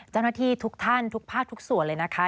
เจ้าหน้าที่ทุกท่านทุกภาคทุกส่วนเลยนะคะ